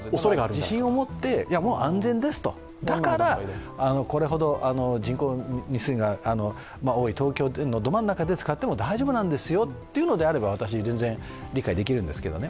自信を持って、安全ですと、だから、これほど人口が多い東京のど真ん中で使っても大丈夫なんですよっていうのであれば私、全然理解できるんですけどね。